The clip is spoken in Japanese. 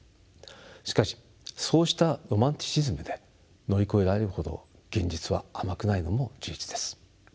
しかしそうしたロマンチシズムで乗り越えられるほど現実は甘くないのも事実です。